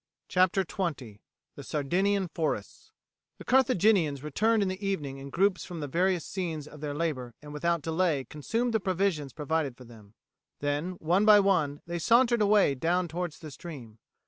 CHAPTER XX: THE SARDINIAN FORESTS The Carthaginians returned in the evening in groups from the various scenes of their labour and without delay consumed the provisions provided for them. Then one by one they sauntered away down towards the stream.